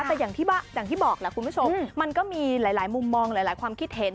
แต่อย่างที่บอกแหละคุณผู้ชมมันก็มีหลายมุมมองหลายความคิดเห็น